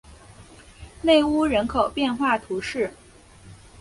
内乌人口变化图示